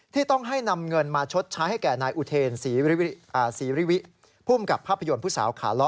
ที่ต้องให้นำเงินมาชดใช้ให้แก่นายอุเทนศรีริวิภูมิกับภาพยนตร์ผู้สาวขาล้อ